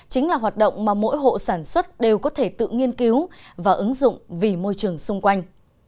chính là hoạt động mà mỗi hộ sản xuất đều có thể tự nghiên cứu và ứng dụng vì môi trường xung quanh